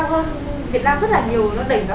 nó đẩy nó thành nên rất là nhiều